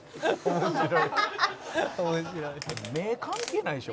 面白い」「目関係ないでしょ？